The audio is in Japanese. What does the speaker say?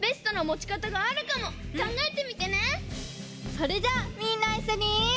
それじゃあみんないっしょに。